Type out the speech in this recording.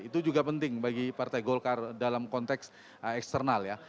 itu juga penting bagi partai golkar dalam konteks eksternal ya